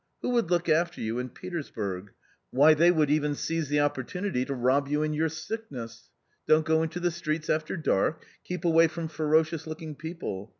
Who would look after you in Petersburg ? Why they would even seize the opportunity to rob you in your sickness. Don't go into the streets after dark ; keep away from ferocious looking people.